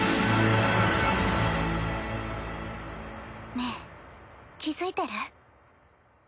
ねえ気付いてる？